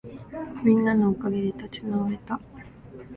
みんなのおかげで立ち直れた